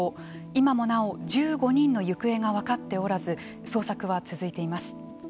今もなお１５人の行方が分かっておらず捜索は続いています。